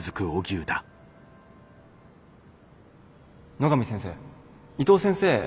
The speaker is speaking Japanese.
野上先生伊藤先生